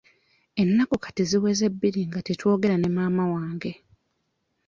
Ennaku kati ziweze bbiri nga tetwogera ne maama wange.